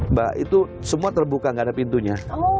mbak itu semua terbuka nggak ada pintunya